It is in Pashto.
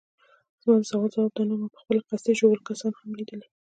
زما د سوال ځواب دا نه وو، ما پخپله قصدي ژوبل کسان هم لیدلي.